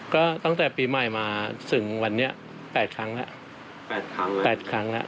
ก็ตั้งแต่ปีใหม่มาถึงวันนี้๘ครั้งแล้ว๘ครั้งแล้ว๘ครั้งแล้ว